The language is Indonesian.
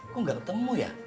kok gak ketemu ya